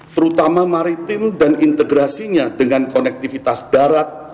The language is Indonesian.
terutama maritim dan integrasinya dengan konektivitas darat